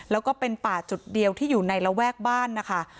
แล้วก็เป็นป่าจุดเดียวที่อยู่ในระแวกบ้านนะคะ